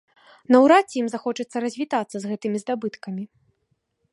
Наўрад ці ім захочацца развітацца з гэтымі здабыткамі.